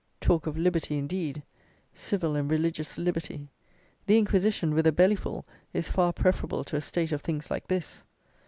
Talk of "liberty," indeed; "civil and religious liberty": the Inquisition, with a belly full, is far preferable to a state of things like this.